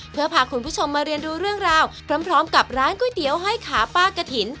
เพื่อพาคุณผู้ชมมาเรียนดูเรื่องราวพร้อมกับร้านก๋วยเตี๋ยวห้อยขาป้ากะถิ่น